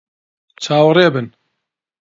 چاوەڕێ بن!